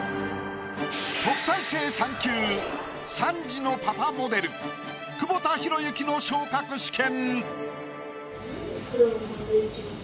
特待生３級３児のパパモデル久保田裕之の昇格試験。